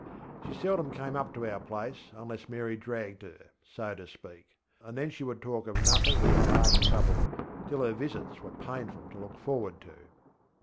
She seldom came up to our place unless Mary dragged her, so to speak; and then she would talk of nothing but her last trouble, till her visits were painful to look forward to.